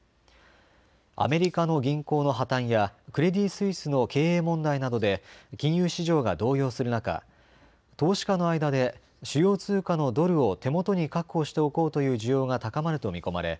アメリカの銀行の破綻やクレディ・スイスの経営問題などで金融市場が動揺する中、投資家の間で主要通貨のドルを手元に確保しておこうという需要が高まると見込まれ